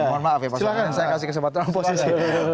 mohon maaf ya pak soni saya kasih kesempatan oposisi